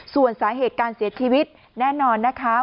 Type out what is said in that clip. ส่วนสาเหตุการเสียชีวิตแน่นอนนะคะ